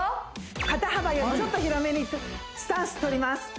肩幅よりちょっと広めにスタンスとります